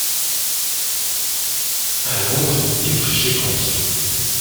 À Londres, ils prêchaient contre.